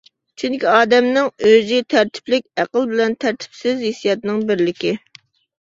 چۈنكى ئادەمنىڭ ئۆزى تەرتىپلىك ئەقىل بىلەن تەرتىپسىز ھېسسىياتنىڭ بىرلىكى.